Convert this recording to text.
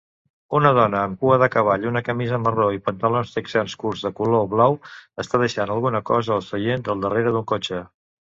Una dona amb cua de cavall, una camisa marró i pantalons texans curs de color blau està deixant alguna cosa al seient del darrere d'un cotxe